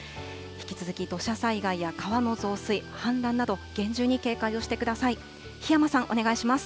引き続き土砂災害や川の増水、氾濫など、厳重に警戒をしてください。